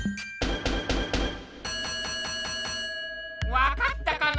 わかったかな？